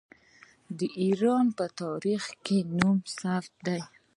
د ایران نوم په تاریخ کې ثبت دی.